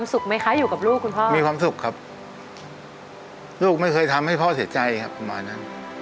มิวสิกไม่มีอะไรที่มีมูลค่าไปมากกว่าความสุขที่เราจะมอบให้คุณพ่อได้